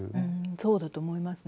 そうだと思いますね。